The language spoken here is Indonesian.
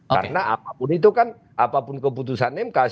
karena apapun itu kan apapun keputusan mk